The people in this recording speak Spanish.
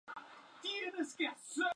Su marido, Leon Watanabe, se lo regaló.